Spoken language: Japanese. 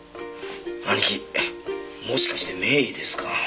兄貴もしかして名医ですか？